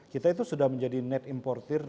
kita itu sudah menjadi net importer